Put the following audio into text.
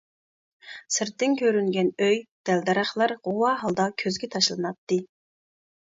سىرتتىن كۆرۈنگەن ئۆي، دەل دەرەخلەر غۇۋا ھالدا كۆزگە تاشلىناتتى.